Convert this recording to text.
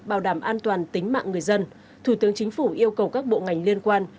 bảo đảm an toàn tính mạng người dân thủ tướng chính phủ yêu cầu các bộ ngành liên quan